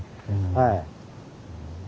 はい。